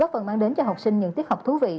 phần mang đến cho học sinh những tiết học thú vị